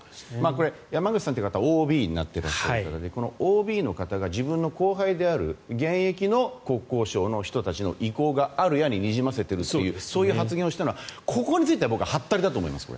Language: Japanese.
これ、山口さんという方ＯＢになっていますがこのＯＢの方が自分の後輩である現役の国交省の人たちの意向があるようににじませているというそういう発言をしたのはここについてははったりだと思います。